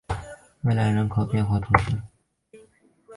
维朗涅尔人口变化图示